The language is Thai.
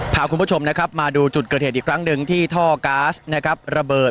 พาคุณผู้ชมมาดูจุดเกิดเหตุอีกครั้งหนึ่งที่ท่อก๊าซระเบิด